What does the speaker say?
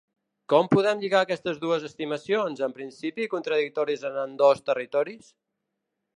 Com podem lligar aquestes dues estimacions, en principi contradictòries en ambdós territoris?